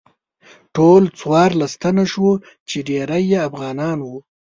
ټول څوارلس تنه شوو چې ډیری یې افغانان وو.